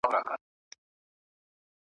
نازولي د خالق یو موږ غوثان یو ,